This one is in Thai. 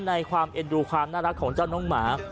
ความเอ็นดูความน่ารักของเจ้าน้องหมา